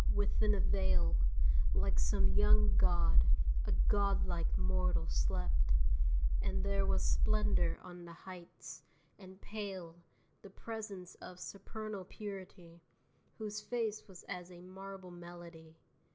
within a vale, Like some young god, a godlike mortal slept; And there was splendor on the heights, and pale The presence of supernal purity, Whose face was as a marble melody.